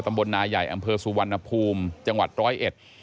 ตำบลนาใหญ่อำเภอสุวรรณภูมิจังหวัดร้อยเอ็ด